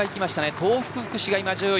東北福祉が１０位。